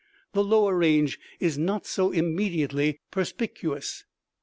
The lower range is not so immediately perspicuous.